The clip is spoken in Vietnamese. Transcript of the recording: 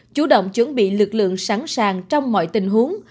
chủ động chuẩn bị lực lượng sẵn sàng trong mọi tình huống